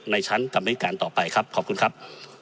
ในชั้นกรรมธิการต่อไปครับขอบคุณครับ